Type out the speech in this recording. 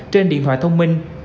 trên điện thoại thông minh